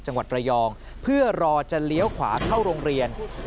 จังหวัดระยองเพื่อรอจะเลี้ยวขวาเข้าโรงเรียน